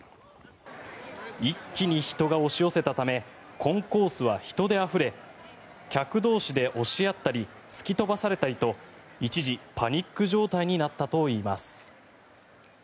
一気に人が押し寄せたためコンコースが人であふれ客同士で押し合ったり突き飛ばされたりと一時、パニック状態になったといいます。